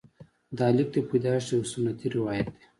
د لیک د پیدایښت یو سنتي روایت دی.